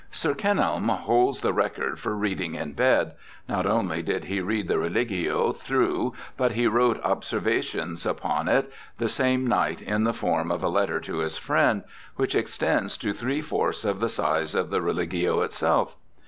Sir Kenelm holds the record for reading in bed ; not only did he read the Religio through, but he wrote Observations upon it the same night in the form of a letter to his friend, which extends to three fourths of the size of the Religio itself.